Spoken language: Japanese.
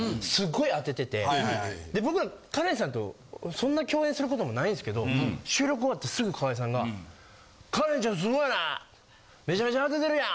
で僕らカレンさんとそんな共演することもないんですけど収録終わってすぐ河井さんが「カレンちゃんすごいなめちゃめちゃ当ててるやん」